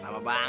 lama banget nih